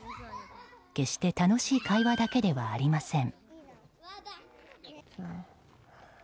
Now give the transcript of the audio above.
決して楽しい会話だけではありません。